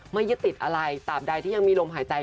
ไม่ยึดติดอะไรตามใดที่ยังมีลมหายใจ